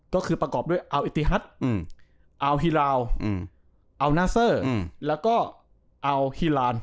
ก็คือประกอบด้วยเอาอิติฮัตเอาฮีราลเอานัสเซอร์แล้วก็เอาฮีราร